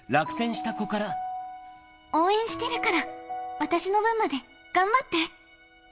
応援してるから、私の分までうん。